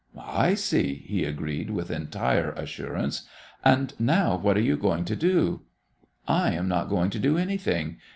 "I see," he agreed with entire assurance. "And now what are you going to do?" "I am not going to do anything.